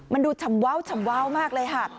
มันดูฉ่ำว้าวมากเลยค่ะ